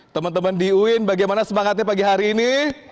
teman teman di uin bagaimana semangatnya pagi hari ini